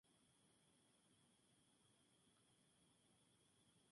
La madre de Underwood aparece en el video como ella misma.